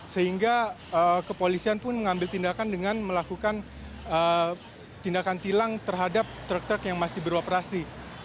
sehingga kepolisian pun mengambil tindakan dengan melakukan tindakan tilang terhadap truk truk yang masih beroperasi